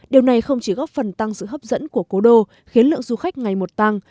điều này không chỉ góp phần tăng sự hấp dẫn của cố đô khiến lượng du khách ngày một tăng